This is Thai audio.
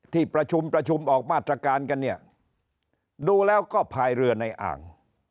ตรการกันเนี่ยดูแล้วก็พายเรือในอ่าง